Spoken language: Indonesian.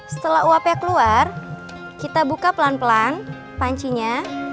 setelah uapnya keluar kita buka pelan pelan pancinya